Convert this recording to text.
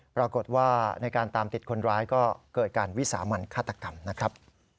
ปรากฏว่าในการตามติดคนร้ายก็เกิดการวิสามันฆาตกรรมนะครับ